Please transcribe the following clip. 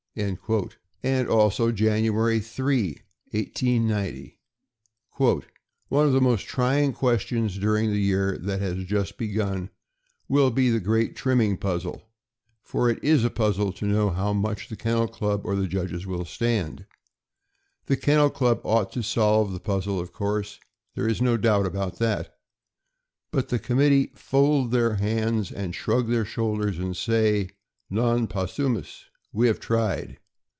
And also, January 3, 1890: One of the most trying questions during the year that has just begun will be the great trimming puzzle; for it is a puzzle to know how much the Kennel Club or the judges will stand. The Kennel Club ought to solve the puzzle, of course — there is no doubt about that; but the committee fold their hands a d shrug their shoulders, and say: Non possumm; we have tried.